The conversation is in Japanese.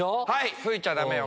噴いちゃダメよ。